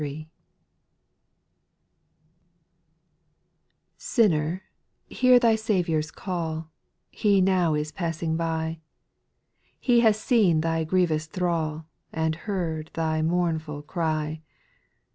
Q INNER, hear thy Saviour's call, O He now is passing by ; He has seen thy grievous thrall, And heard thy mournful cry.